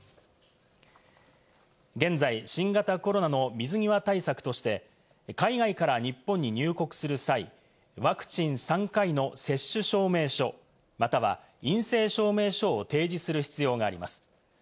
現在、新型コロナの水際対策として海外から日本に入国する際、ワクチン３回の接種証明書または、陰性証明書を提示する必要があります。